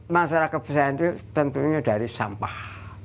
masyarakat besar itu tentunya dari sampah